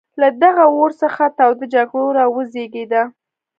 له دغه اور څخه توده جګړه را وزېږېده.